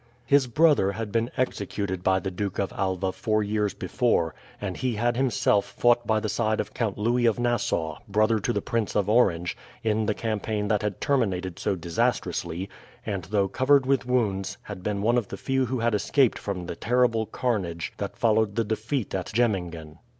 His brother had been executed by the Duke of Alva four years before, and he had himself fought by the side of Count Louis of Nassau, brother to the Prince of Orange, in the campaign that had terminated so disastrously, and though covered with wounds had been one of the few who had escaped from the terrible carnage that followed the defeat at Jemmingen.